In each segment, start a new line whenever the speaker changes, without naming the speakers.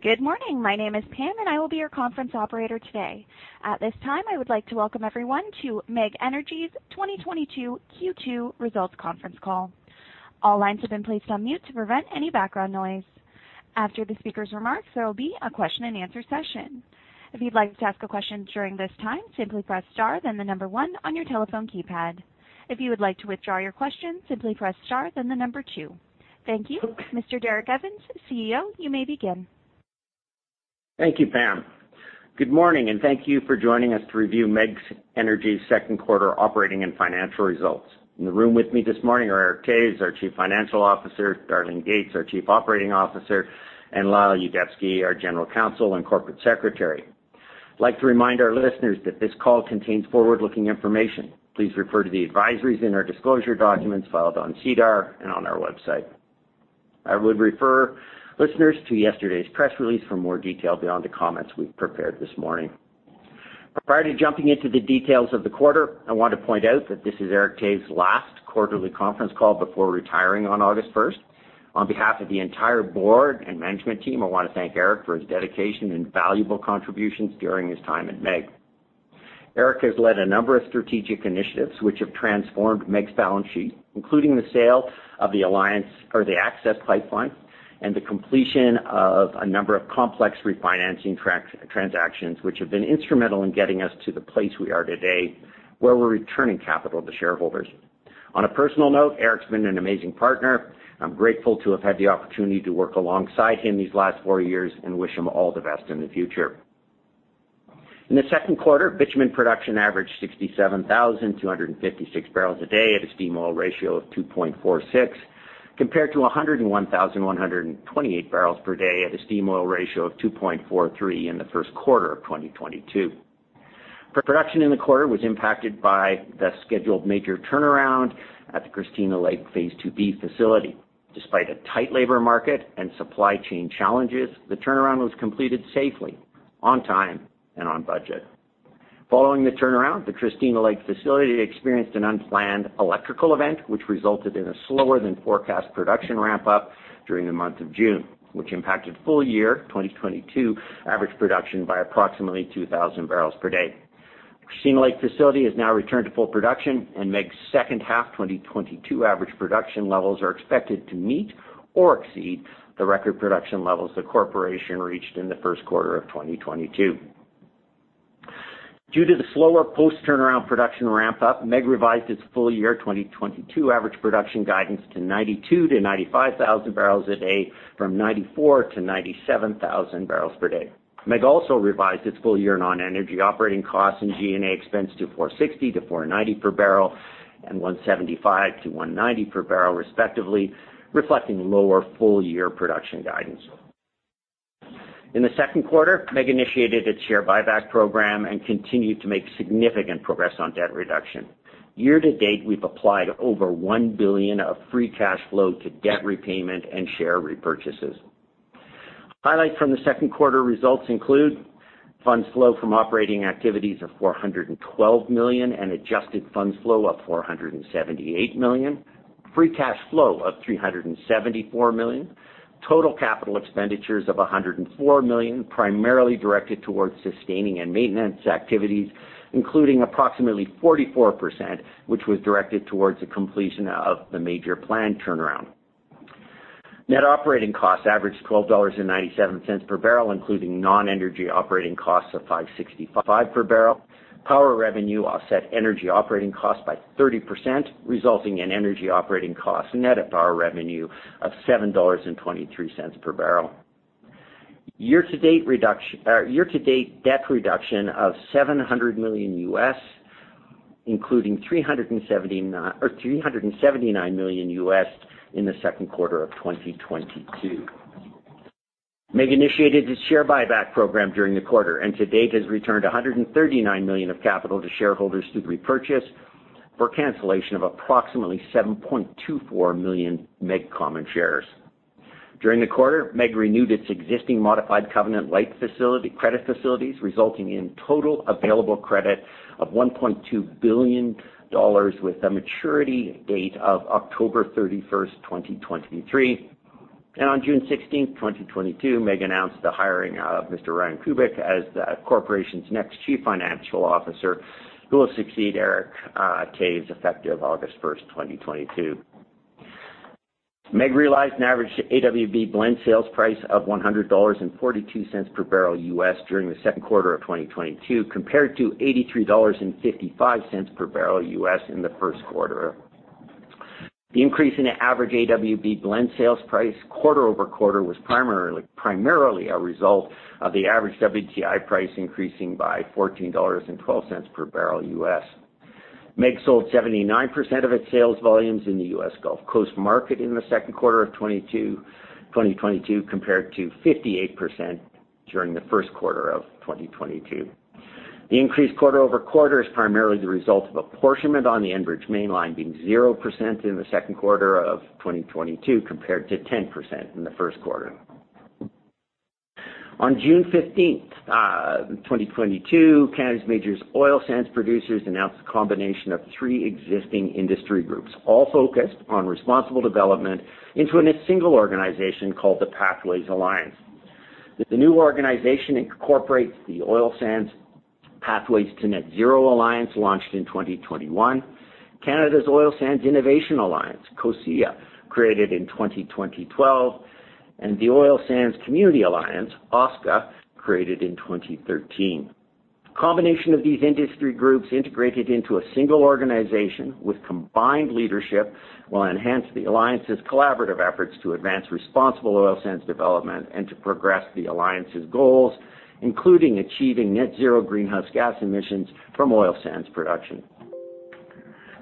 Good morning. My name is Pam, and I will be your conference operator today. At this time, I would like to welcome everyone to MEG Energy's 2022 Q2 results conference call. All lines have been placed on mute to prevent any background noise. After the speaker's remarks, there will be a question-and-answer session. If you'd like to ask a question during this time, simply press star then the number one on your telephone keypad. If you would like to withdraw your question, simply press star then the number two. Thank you. Mr. Derek Evans, CEO, you may begin.
Thank you, Pam. Good morning, and thank you for joining us to review MEG Energy's 2nd quarter operating and financial results. In the room with me this morning are Eric Toews, our Chief Financial Officer, Darlene Gates, our Chief Operating Officer, and Lyle Yuzdeski, our General Counsel and Corporate Secretary. I'd like to remind our listeners that this call contains forward-looking information. Please refer to the advisories in our disclosure documents filed on SEDAR and on our website. I would refer listeners to yesterday's press release for more detail beyond the comments we've prepared this morning. Prior to jumping into the details of the quarter, I want to point out that this is Eric Toews' last quarterly conference call before retiring on August first. On behalf of the entire board and management team, I wanna thank Eric for his dedication and valuable contributions during his time at MEG. Eric has led a number of strategic initiatives which have transformed MEG's balance sheet, including the sale of the Access Pipeline to the Pathways Alliance and the completion of a number of complex refinancing transactions, which have been instrumental in getting us to the place we are today, where we're returning capital to shareholders. On a personal note, Eric's been an amazing partner. I'm grateful to have had the opportunity to work alongside him these last four years and wish him all the best in the future. In the 2nd quarter, bitumen production averaged 67,256 barrels a day at a steam oil ratio of 2.46, compared to 101,128 barrels per day at a steam oil ratio of 2.43 in the 1st quarter of 2022. Production in the quarter was impacted by the scheduled major turnaround at the Christina Lake Phase 2B facility. Despite a tight labor market and supply chain challenges, the turnaround was completed safely, on time, and on budget. Following the turnaround, the Christina Lake facility experienced an unplanned electrical event, which resulted in a slower than forecast production ramp-up during the month of June, which impacted full year 2022 average production by approximately 2,000 barrels per day. Christina Lake facility has now returned to full production and MEG's second half 2022 average production levels are expected to meet or exceed the record production levels the corporation reached in the 1st quarter of 2022. Due to the slower post-turnaround production ramp up, MEG revised its full-year 2022 average production guidance to 92,000-95,000 barrels a day from 94,000-97,000 barrels per day. MEG also revised its full-year non-energy operating costs and G&A expense to $4.60-$4.90 per barrel and $1.75-$1.90 per barrel, respectively, reflecting lower full-year production guidance. In the 2nd quarter, MEG initiated its share buyback program and continued to make significant progress on debt reduction. Year to date, we've applied over $1 billion of free cash flow to debt repayment and share repurchases. Highlights from the 2nd quarter results include funds flow from operating activities of $412 million and adjusted funds flow of $478 million, free cash flow of $374 million, total capital expenditures of $104 million, primarily directed towards sustaining and maintenance activities, including approximately 44%, which was directed towards the completion of the major planned turnaround. Net operating costs averaged $12.97 per barrel, including non-energy operating costs of $5.65 per barrel. Power revenue offset energy operating costs by 30%, resulting in energy operating costs net of power revenue of $7.23 per barrel. Year to date debt reduction of $700 million US, including $379 million US in the 2nd quarter of 2022. MEG initiated its share buyback program during the quarter, and to date has returned 139 million of capital to shareholders through the repurchase for cancellation of approximately 7.24 million MEG common shares. During the quarter, MEG renewed its existing modified covenant-light credit facilities, resulting in total available credit of 1.2 billion dollars with a maturity date of October 31st, 2023. On June 16th, 2022, MEG announced the hiring of Mr. Ryan Kibik as the corporation's next chief financial officer, who will succeed Eric Toews effective August 1st, 2022. MEG realized an average AWB blend sales price of $100.42 per barrel during the 2nd quarter of 2022, compared to $83.55 per barrel in the 1st quarter. The increase in the average AWB blend sales price quarter-over-quarter was primarily a result of the average WTI price increasing by $14.12 per barrel. MEG sold 79% of its sales volumes in the US Gulf Coast market in the 2nd quarter of 2022, compared to 58% during the 1st quarter of 2022. The increase quarter-over-quarter is primarily the result of apportionment on the Enbridge Mainline being 0% in the 2nd quarter of 2022, compared to 10% in the 1st quarter. On June 15th, 2022, Canada's major oil sands producers announced the combination of three existing industry groups, all focused on responsible development into a single organization called the Pathways Alliance. The new organization incorporates the Oil Sands Pathways to Net Zero Alliance launched in 2021, Canada's Oil Sands Innovation Alliance, COSIA, created in 2012, and the Oil Sands Community Alliance, OSCA, created in 2013. Combination of these industry groups integrated into a single organization with combined leadership will enhance the alliance's collaborative efforts to advance responsible oil sands development and to progress the alliance's goals, including achieving net zero greenhouse gas emissions from oil sands production.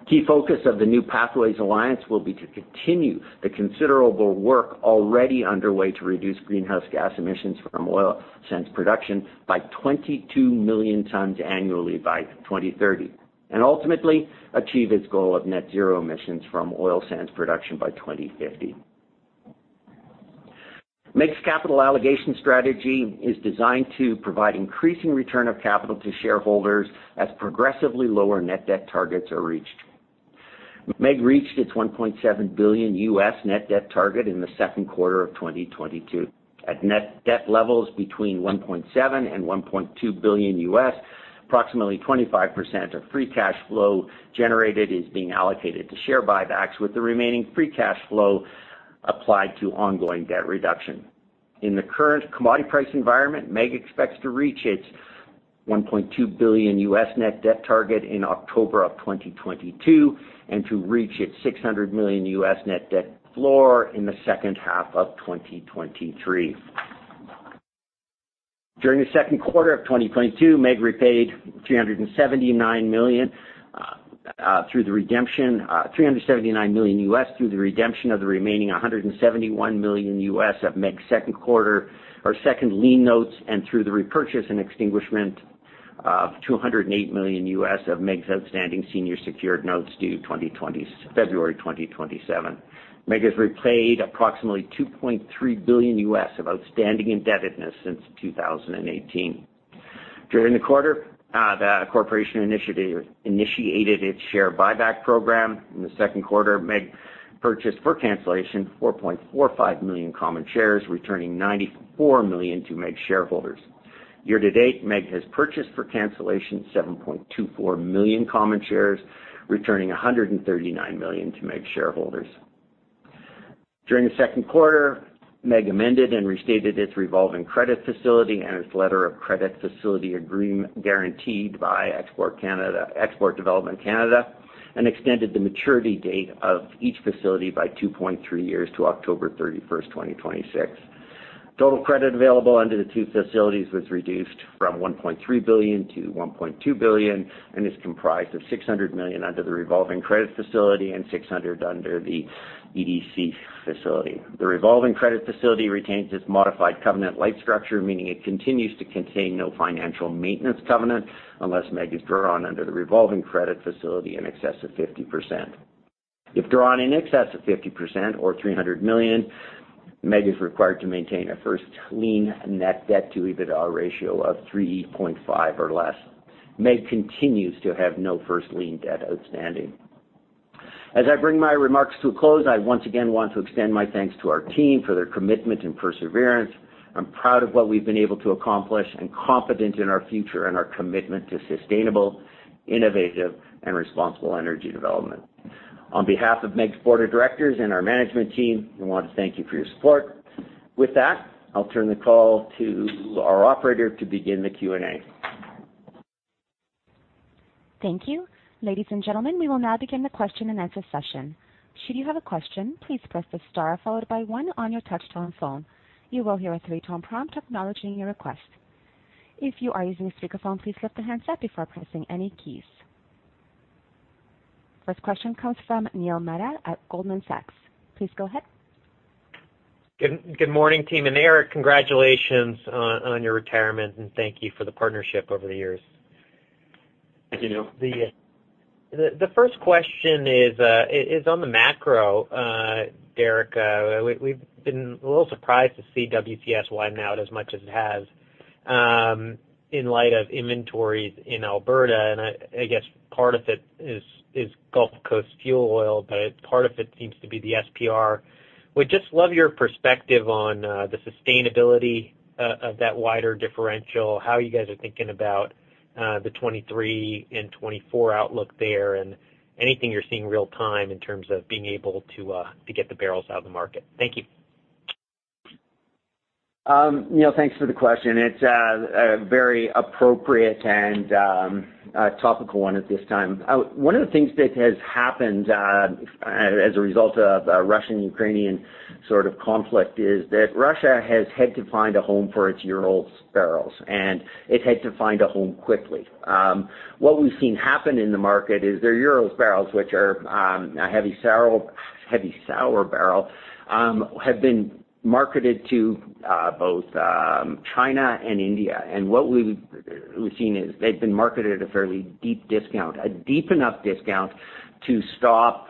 Key focus of the new Pathways Alliance will be to continue the considerable work already underway to reduce greenhouse gas emissions from oil sands production by 22 million tons annually by 2030, and ultimately achieve its goal of net zero emissions from oil sands production by 2050. MEG's capital allocation strategy is designed to provide increasing return of capital to shareholders as progressively lower net debt targets are reached. MEG reached its $1.7 billion net debt target in the 2nd quarter of 2022. At net debt levels between $1.7 billion and $1.2 billion, approximately 25% of free cash flow generated is being allocated to share buybacks, with the remaining free cash flow applied to ongoing debt reduction. In the current commodity price environment, MEG expects to reach its $1.2 billion net debt target in October of 2022, and to reach its $600 million net debt floor in the second half of 2023. During the 2nd quarter of 2022, MEG repaid $379 million through the redemption of the remaining $171 million of MEG's second lien notes, and through the repurchase and extinguishment of $208 million of MEG's outstanding senior secured notes due February 2027. MEG has repaid approximately $2.3 billion of outstanding indebtedness since 2018. During the quarter, the corporation initiated its share buyback program. In the 2nd quarter, MEG purchased, for cancellation, 4.45 million common shares, returning 94 million to MEG shareholders. Year to date, MEG has purchased for cancellation 7.24 million common shares, returning 139 million to MEG shareholders. During the 2nd quarter, MEG amended and restated its revolving credit facility and its letter of credit facility agreement guaranteed by Export Development Canada, and extended the maturity date of each facility by 2.3 years to October 31st, 2026. Total credit available under the two facilities was reduced from 1.3 billion to 1.2 billion and is comprised of 600 million under the revolving credit facility and 600 million under the EDC facility. The revolving credit facility retains its modified covenant light structure, meaning it continues to contain no financial maintenance covenant unless MEG is drawn under the revolving credit facility in excess of 50%. If drawn in excess of 50% or 300 million, MEG is required to maintain a first lien net debt to EBITDA ratio of 3.5 or less. MEG continues to have no first lien debt outstanding. As I bring my remarks to a close, I once again want to extend my thanks to our team for their commitment and perseverance. I'm proud of what we've been able to accomplish and confident in our future and our commitment to sustainable, innovative, and responsible energy development. On behalf of MEG's board of directors and our management team, we want to thank you for your support. With that, I'll turn the call to our operator to begin the Q&A.
Thank you. Ladies and gentlemen, we will now begin the question-and-answer session. Should you have a question, please press the star followed by one on your touchtone phone. You will hear a three-tone prompt acknowledging your request. If you are using a speakerphone, please lift the handset before pressing any keys. First question comes from Neil Mehta at Goldman Sachs. Please go ahead.
Good morning team. Eric, congratulations on your retirement, and thank you for the partnership over the years.
Thank you, Neil.
The first question is on the macro, Derek. We've been a little surprised to see WCS widen out as much as it has, in light of inventories in Alberta. I guess part of it is Gulf Coast fuel oil, but part of it seems to be the SPR. Would just love your perspective on the sustainability of that wider differential, how you guys are thinking about the 2023 and 2024 outlook there, and anything you're seeing real time in terms of being able to get the barrels out of the market. Thank you.
Neil, thanks for the question. It's a very appropriate and topical one at this time. One of the things that has happened as a result of Russian-Ukrainian sort of conflict is that Russia has had to find a home for its Urals barrels, and it had to find a home quickly. What we've seen happen in the market is their Urals barrels, which are a heavy sour barrel, have been marketed to both China and India. What we've seen is they've been marketed at a fairly deep discount, a deep enough discount to stop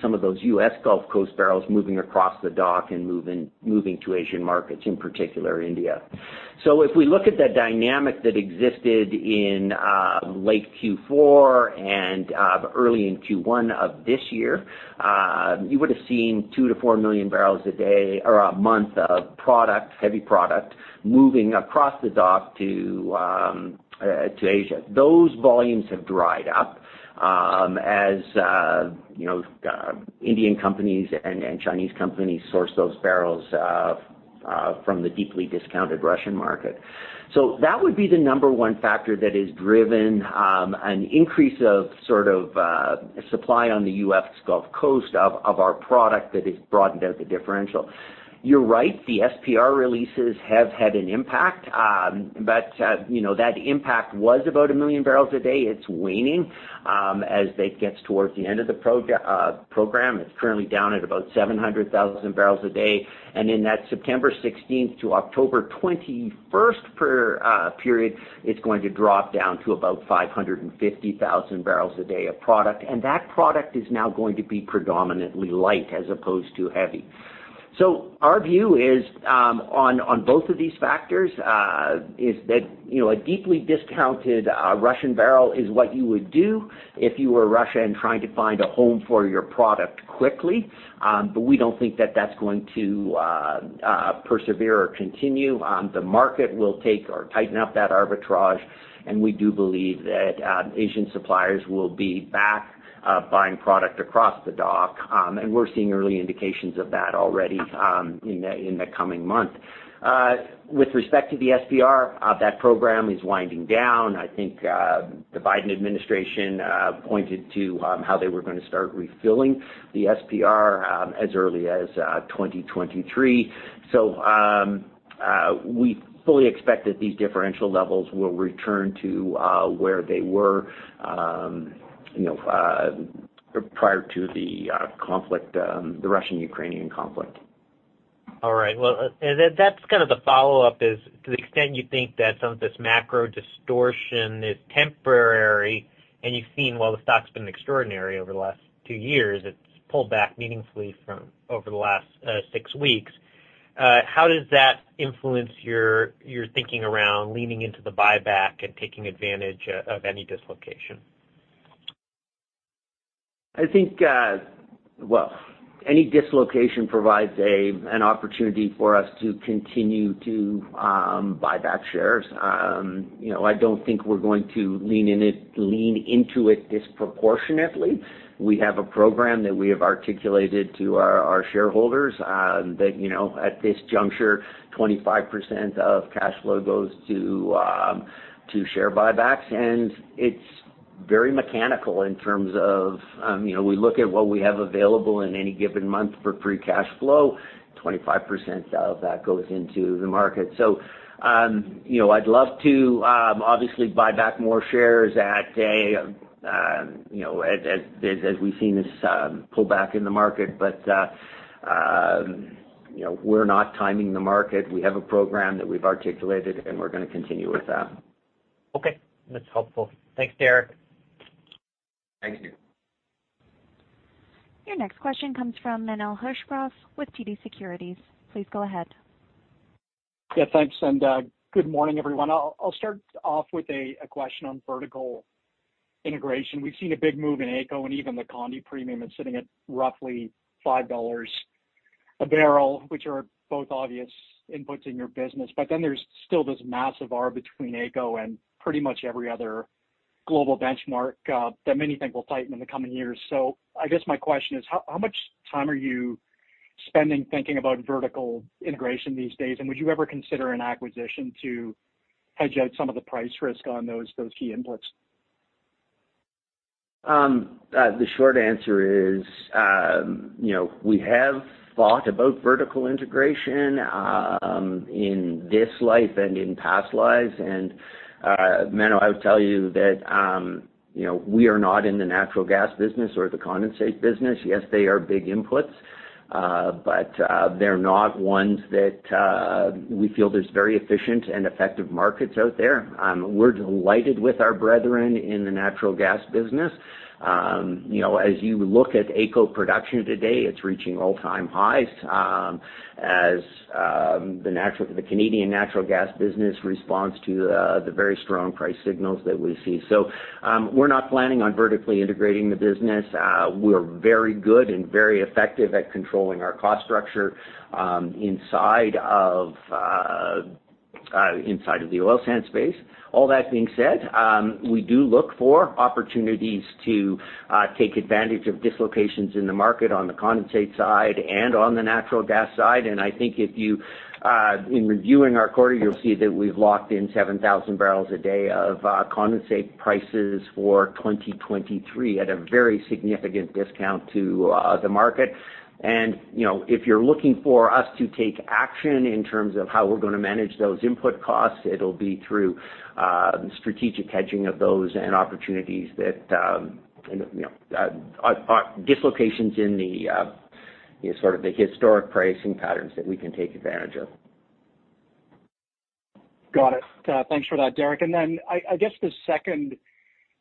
some of those U.S. Gulf Coast barrels moving across the dock and moving to Asian markets, in particular India. If we look at the dynamic that existed in late Q4 and early in Q1 of this year, you would've seen 2-4 million barrels a day or a month of product, heavy product, moving across the dock to Asia. Those volumes have dried up, as you know, Indian companies and Chinese companies source those barrels from the deeply discounted Russian market. That would be the number one factor that has driven an increase of sort of supply on the U.S. Gulf Coast of our product that has broadened out the differential. You're right, the SPR releases have had an impact. You know, that impact was about 1 million barrels a day. It's waning, as that gets towards the end of the program. It's currently down at about 700,000 barrels a day. In that September 16th to October 21st period, it's going to drop down to about 550,000 barrels a day of product. That product is now going to be predominantly light as opposed to heavy. Our view is, on both of these factors, is that, you know, a deeply discounted Russian barrel is what you would do if you were Russia and trying to find a home for your product quickly. But we don't think that that's going to persevere or continue. The market will take or tighten up that arbitrage, and we do believe that, Asian suppliers will be back, buying product across the dock. We're seeing early indications of that already, in the coming month. With respect to the SPR, that program is winding down. I think, the Biden administration pointed to how they were gonna start refilling the SPR, as early as 2023. We fully expect that these differential levels will return to where they were, you know, prior to the conflict, the Russian-Ukrainian conflict.
All right. Well, that's kind of the follow-up to the extent you think that some of this macro distortion is temporary and you've seen, while the stock's been extraordinary over the last 2 years, it's pulled back meaningfully over the last 6 weeks. How does that influence your thinking around leaning into the buyback and taking advantage of any dislocation?
I think, well, any dislocation provides an opportunity for us to continue to buy back shares. You know, I don't think we're going to lean into it disproportionately. We have a program that we have articulated to our shareholders, that, you know, at this juncture, 25% of cash flow goes to share buybacks. It's very mechanical in terms of, you know, we look at what we have available in any given month for free cash flow, 25% of that goes into the market. You know, I'd love to, obviously buy back more shares at a, you know, as we've seen this pull back in the market. You know, we're not timing the market. We have a program that we've articulated, and we're gonna continue with that.
Okay. That's helpful. Thanks Derek.
Thank you.
Your next question comes from Menno Hulshof with TD Securities. Please go ahead.
Yeah, thanks. Good morning, everyone. I'll start off with a question on vertical integration. We've seen a big move in AECO and even the condensate premium. It's sitting at roughly $5 a barrel, which are both obvious inputs in your business. But then there's still this massive arb between AECO and pretty much every other global benchmark that many think will tighten in the coming years. So I guess my question is, how much time are you spending thinking about vertical integration these days? And would you ever consider an acquisition to hedge out some of the price risk on those key inputs?
The short answer is, you know, we have thought about vertical integration in this life and in past lives. Menno, I would tell you that, you know, we are not in the natural gas business or the condensate business. Yes, they are big inputs, but they're not ones that we feel there's very efficient and effective markets out there. We're delighted with our brethren in the natural gas business. You know, as you look at AECO production today, it's reaching all-time highs, as the Canadian natural gas business responds to the very strong price signals that we see. We're not planning on vertically integrating the business. We're very good and very effective at controlling our cost structure inside of the oil sands space. All that being said, we do look for opportunities to take advantage of dislocations in the market on the condensate side and on the natural gas side. I think if you in reviewing our quarter, you'll see that we've locked in 7,000 barrels a day of condensate prices for 2023 at a very significant discount to the market. You know, if you're looking for us to take action in terms of how we're gonna manage those input costs, it'll be through strategic hedging of those and opportunities that you know are dislocations in the sort of the historic pricing patterns that we can take advantage of.
Got it. Thanks for that, Derek. I guess the second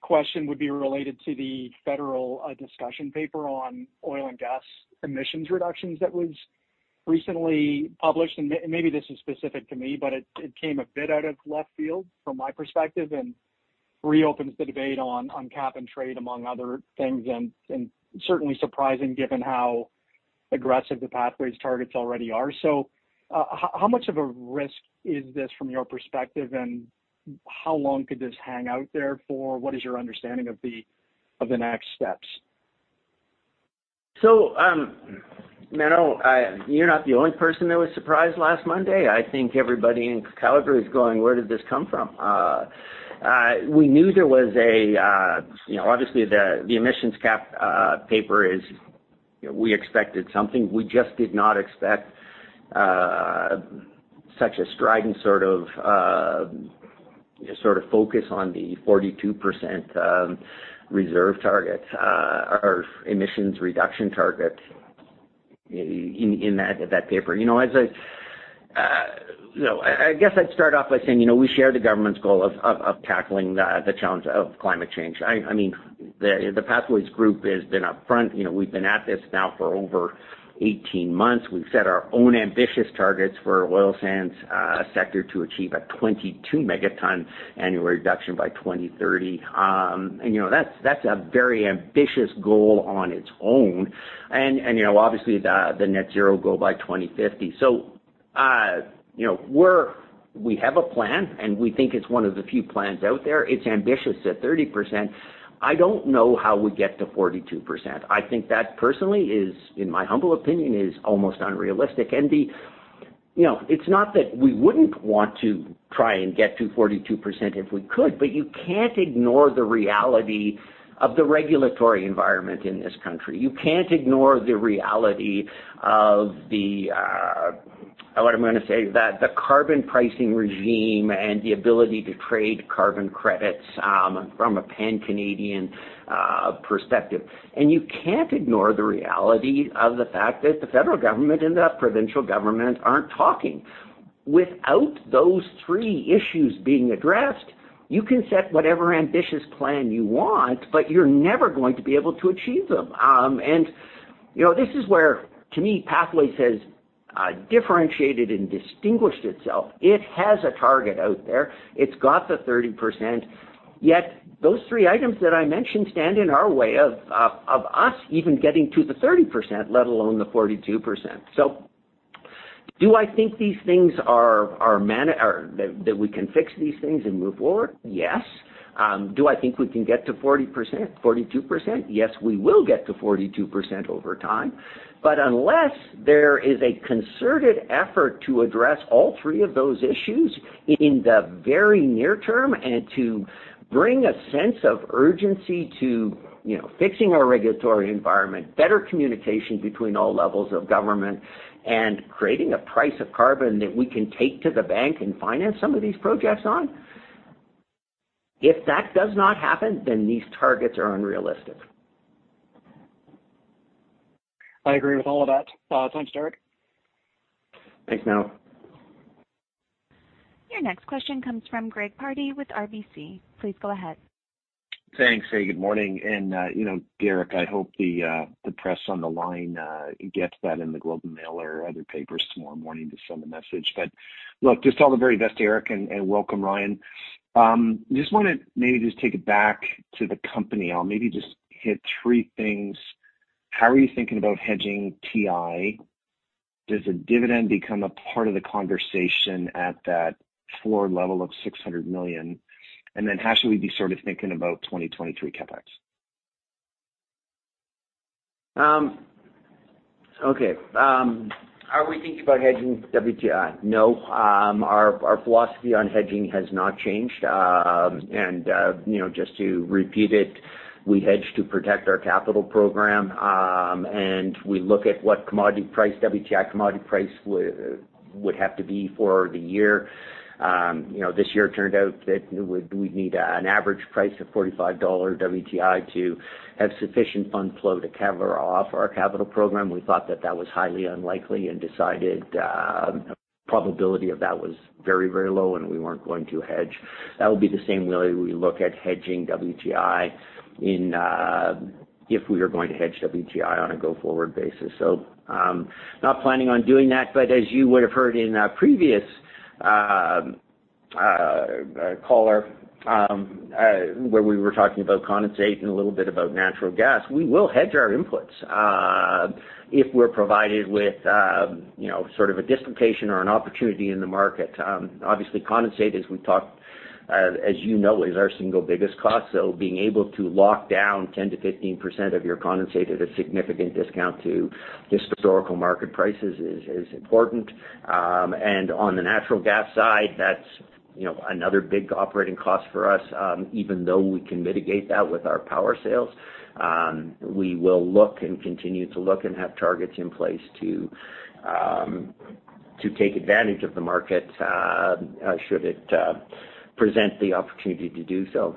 question would be related to the federal discussion paper on oil and gas emissions reductions that was recently published. Maybe this is specific to me, but it came a bit out of left field from my perspective and reopens the debate on cap-and-trade, among other things, and certainly surprising given how aggressive the pathways targets already are. How much of a risk is this from your perspective, and how long could this hang out there for? What is your understanding of the next steps?
Menno, you're not the only person that was surprised last Monday. I think everybody in Calgary is going, "Where did this come from?" We knew there was a you know obviously the emissions cap paper is you know we expected something. We just did not expect such a strident sort of focus on the 42% reserve targets or emissions reduction target in that paper. You know, I guess I'd start off by saying you know we share the government's goal of tackling the challenge of climate change. I mean the Pathways group has been up front. You know we've been at this now for over 18 months. We've set our own ambitious targets for oil sands sector to achieve a 22 megaton annual reduction by 2030. You know, that's a very ambitious goal on its own. You know, obviously, the net zero goal by 2050. You know, we have a plan, and we think it's one of the few plans out there. It's ambitious at 30%. I don't know how we get to 42%. I think that personally, in my humble opinion, is almost unrealistic. You know, it's not that we wouldn't want to try and get to 42% if we could, but you can't ignore the reality of the regulatory environment in this country. You can't ignore the reality of what I'm gonna say, the carbon pricing regime and the ability to trade carbon credits from a pan-Canadian perspective. You can't ignore the reality of the fact that the federal government and the provincial government aren't talking. Without those three issues being addressed, you can set whatever ambitious plan you want, but you're never going to be able to achieve them. You know, this is where, to me, Pathways has differentiated and distinguished itself. It has a target out there. It's got the 30%, yet those 3 items that I mentioned stand in our way of us even getting to the 30%, let alone the 42%. Do I think these things are manageable or that we can fix these things and move forward? Yes. Do I think we can get to 40%, 42%? Yes, we will get to 42% over time. Unless there is a concerted effort to address all three of those issues in the very near term and to bring a sense of urgency to, you know, fixing our regulatory environment, better communication between all levels of government, and creating a price of carbon that we can take to the bank and finance some of these projects on, if that does not happen, then these targets are unrealistic.
I agree with all of that. Thanks Derek.
Thanks, Menno.
Your next question comes from Greg Pardy with RBC. Please go ahead.
Thanks. Hey, good morning. You know, Derek, I hope the press on the line gets that in the Globe and Mail or other papers tomorrow morning to send a message. Look, just all the very best to Eric and welcome, Ryan. Just wanna maybe just take it back to the company. I'll maybe just hit three things. How are you thinking about hedging WTI? Does the dividend become a part of the conversation at that floor level of 600 million? Then how should we be sort of thinking about 2023 CapEx?
Okay. Are we thinking about hedging WTI? No. Our philosophy on hedging has not changed. You know, just to repeat it, we hedge to protect our capital program, and we look at what commodity price, WTI commodity price would have to be for the year. You know, this year it turned out that we'd need an average price of $45 WTI to have sufficient fund flow to cover off our capital program. We thought that was highly unlikely and decided probability of that was very, very low, and we weren't going to hedge. That would be the same way we look at hedging WTI in if we were going to hedge WTI on a go-forward basis. Not planning on doing that, but as you would have heard in a previous caller, where we were talking about condensate and a little bit about natural gas, we will hedge our inputs, if we're provided with, you know, sort of a dislocation or an opportunity in the market. Obviously, condensate, as we've talked, as you know, is our single biggest cost. Being able to lock down 10%-15% of your condensate at a significant discount to historical market prices is important. On the natural gas side, that's, you know, another big operating cost for us, even though we can mitigate that with our power sales. We will look and continue to look and have targets in place to take advantage of the market, should it present the opportunity to do so.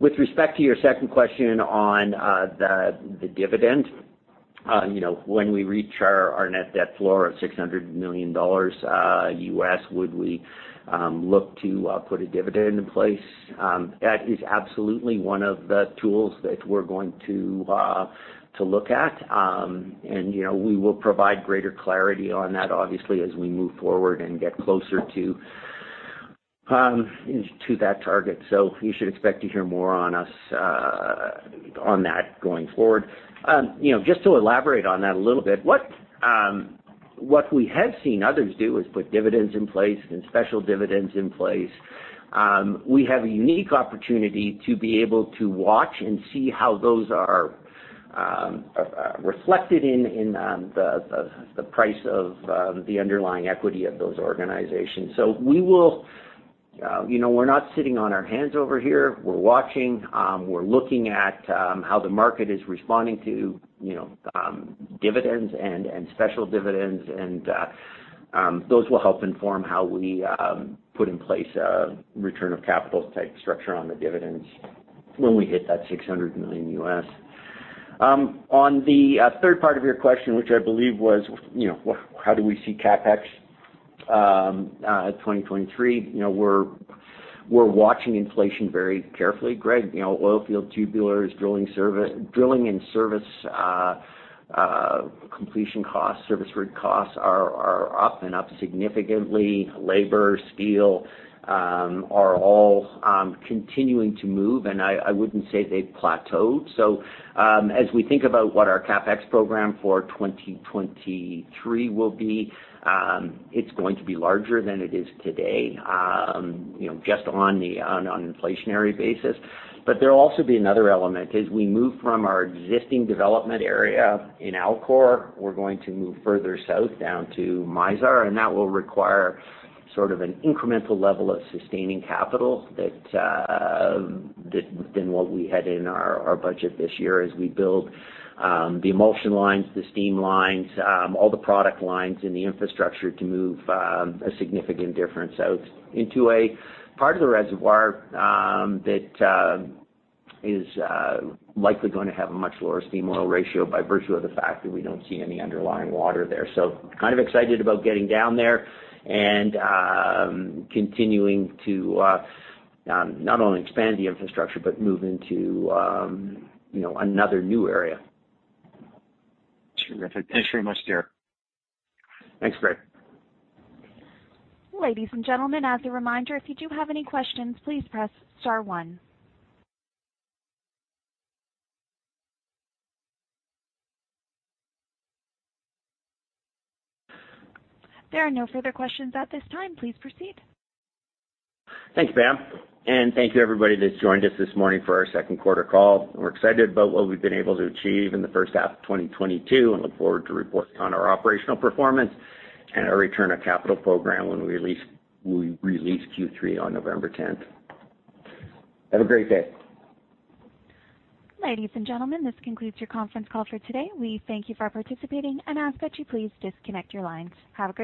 With respect to your second question on the dividend, you know, when we reach our net debt floor of $600 million U.S., would we look to put a dividend in place? That is absolutely one of the tools that we're going to look at. You know, we will provide greater clarity on that obviously as we move forward and get closer to that target. You should expect to hear more on us on that going forward. You know, just to elaborate on that a little bit, what we have seen others do is put dividends in place and special dividends in place. We have a unique opportunity to be able to watch and see how those are reflected in the price of the underlying equity of those organizations. We will, you know, we're not sitting on our hands over here. We're watching, we're looking at how the market is responding to, you know, dividends and special dividends. Those will help inform how we put in place a return of capital type structure on the dividends when we hit that $600 million. On the third part of your question, which I believe was, you know, how do we see CapEx 2023, you know, we're watching inflation very carefully, Greg. You know, oilfield tubulars, drilling and service completion costs, service rig costs are up significantly. Labor, steel are all continuing to move, and I wouldn't say they've plateaued. As we think about what our CapEx program for 2023 will be, it's going to be larger than it is today, you know, just on the inflationary basis. But there'll also be another element. As we move from our existing development area in Algar, we're going to move further south down to Surmont, and that will require sort of an incremental level of sustaining capital that than what we had in our budget this year as we build the emulsion lines, the steam lines, all the product lines in the infrastructure to move a significant difference out into a part of the reservoir that is likely gonna have a much lower steam oil ratio by virtue of the fact that we don't see any underlying water there. Kind of excited about getting down there and continuing to not only expand the infrastructure but move into you know another new area.
Terrific. Thanks very much, Derek.
Thanks Greg.
Ladies and gentlemen, as a reminder, if you do have any questions, please press star one. There are no further questions at this time. Please proceed.
Thanks, Pam, and thank you everybody that's joined us this morning for our 2nd quarter call. We're excited about what we've been able to achieve in the first half of 2022 and look forward to reporting on our operational performance and our return on capital program when we release Q3 on November 10th. Have a great day.
Ladies and gentlemen, this concludes your conference call for today. We thank you for participating and ask that you please disconnect your lines. Have a good day.